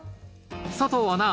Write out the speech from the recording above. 佐藤アナ